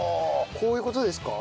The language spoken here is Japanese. こういう事ですか？